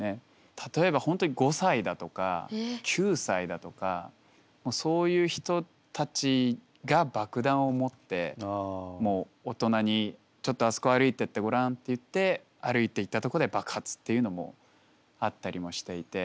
例えば本当に５歳だとか９歳だとかそういう人たちが爆弾を持ってもう大人に「ちょっとあそこ歩いてってごらん」って言って歩いていったとこで爆発っていうのもあったりもしていて。